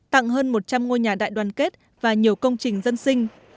tặng hơn một trăm linh ngôi nhà đại đoàn kết và nhiều công trình dân sinh